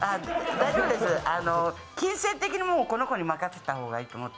大丈夫です、金銭的にこの子に任せた方がいいと思って。